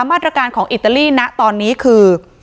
มาตรการของอิตาลีนะตอนนี้คือ